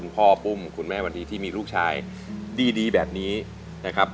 พ่อปุ้มคุณแม่วันนี้ที่มีลูกชายดีแบบนี้นะครับ